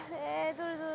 どれどれ。